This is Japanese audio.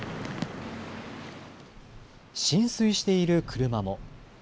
浸水している車も。